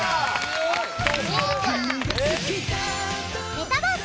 メタバース